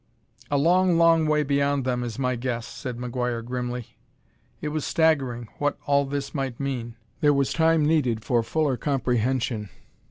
"A long, long way beyond them, is my guess," said McGuire grimly. It was staggering what all this might mean; there was time needed for fuller comprehension.